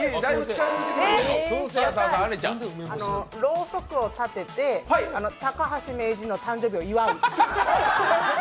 ろうそくを立てて、高橋名人の誕生日を祝う。